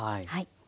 はい。